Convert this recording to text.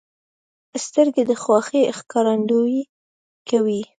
سترګې د خوښۍ ښکارندویي کوي